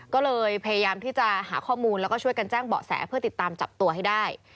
ก็เลยพยายามที่จะหาข้อมูลแล้วก็ช่วยกันแจ้งเบาะแสเพื่อติดตามจับตัวให้ได้